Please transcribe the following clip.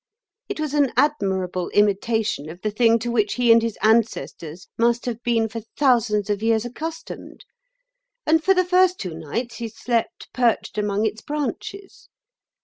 It was an admirable imitation of the thing to which he and his ancestors must have been for thousands of years accustomed; and for the first two nights he slept perched among its branches.